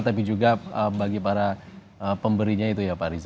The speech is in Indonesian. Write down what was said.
tapi juga bagi para pemberinya itu ya pak riza